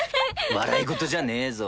笑い事じゃねぇぞ。